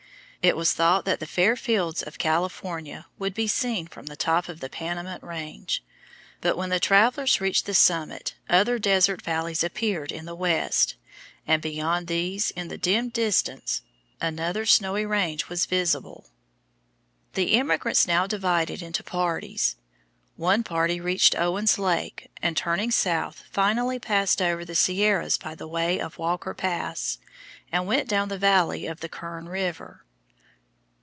It was thought that the fair fields of California would be seen from the top of the Panamint Range; but when the travellers reached the summit other desert valleys appeared in the west, and beyond these, in the dim distance, another snowy range was visible. The emigrants now divided into parties. One party reached Owens Lake, and turning south, finally passed over the Sierras by the way of Walkers Pass and went down the valley of the Kern River.